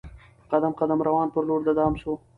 په قدم قدم روان پر لور د دام سو